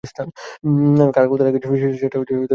কার ক্ষুধা লেগেছে সেটা কেউ নিয়ন্ত্রণ করতে পারবে না।